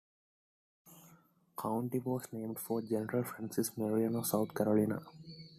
The county was named for General Francis Marion of South Carolina.